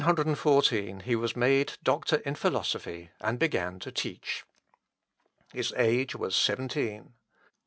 In 1514, he was made doctor in philosophy, and began to teach. His age was seventeen.